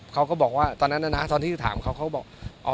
เขาก็บอกว่าตอนนั้นนะตอนที่ถามเขาเขาบอก